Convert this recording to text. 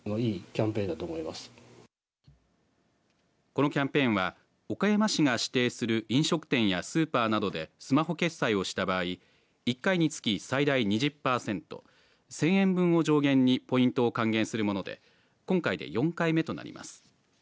このキャンペーンは岡山市が指定する飲食店やスーパーなどでスマホ決済をした場合１回につき最大２０パーセント１０００円分を上限にポイントを還元するもので今回で４回目となります。